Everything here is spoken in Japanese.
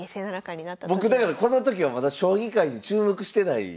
僕だからこの時はまだ将棋界に注目してない。